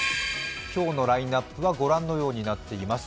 今日のラインナップは御覧のようになっています。